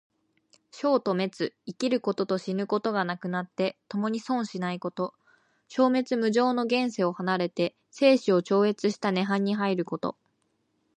生と滅、生きることと死ぬことがなくなって、ともに存しないこと。生滅無常の現世を離れて生死を超越した涅槃に入ること。